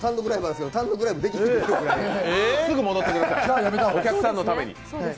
すぐ戻ってください、お客さんのために。